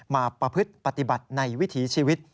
ประพฤติปฏิบัติในวิถีชีวิต